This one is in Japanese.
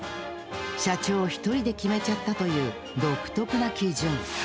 社長一人で決めちゃったという独特な基準。